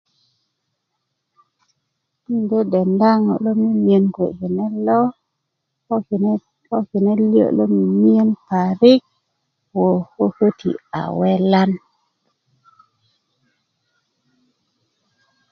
n de denda ŋo lo mimiyen kuwe kinet lo ko kinet lio lo mimiyen parik ko köti a welan